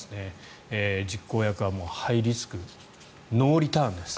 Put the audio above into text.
実行役はハイリスク・ノーリターンです。